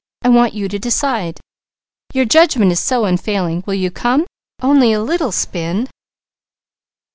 I want you to decide. Your judgment is so unfailing. Will you come? Only a little spin!"